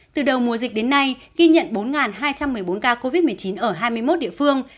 từ đầu mùa dịch đến nay ghi nhận bốn hai trăm một mươi bốn ca covid một mươi chín ở hai mươi một địa phương